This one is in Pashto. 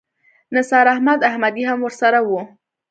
نثار احمد احمدي هم ورسره و.